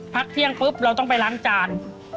พักเที่ยงปุ๊บเราต้องไปล้างจาน